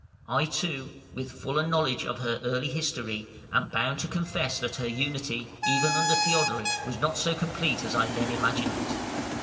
I, too, with fuller knowledge of her early history, am bound to confess that her unity even under Theodoric was not so complete as I then imagined it.